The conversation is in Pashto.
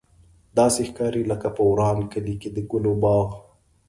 داسې ښکاري لکه په وران کلي کې د ګلو باغ.